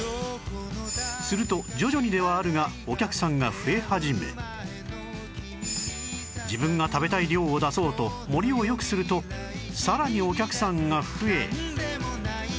すると徐々にではあるがお客さんが増え始め自分が食べたい量を出そうと盛りを良くするとさらにお客さんが増え